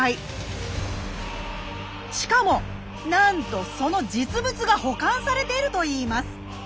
しかもなんとその実物が保管されているといいます。